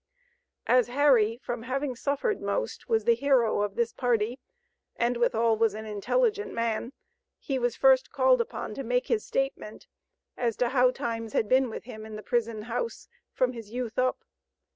As Harry, from having suffered most, was the hero of this party, and withal was an intelligent man, he was first called upon to make his statement as to how times had been with him in the prison house, from his youth up.